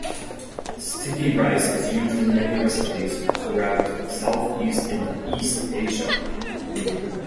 Sticky rice is used in many recipes throughout Southeast and East Asia.